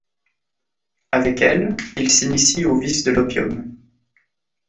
Avec elle, il s'initie au vice de l’opium.